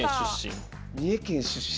三重県出身。